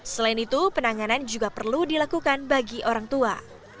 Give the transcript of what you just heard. selain itu penanganan juga perlu dilakukan bagi orang tua